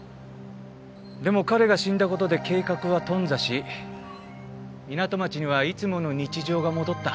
でも彼が死んだことで計画は頓挫し港町にはいつもの日常が戻った。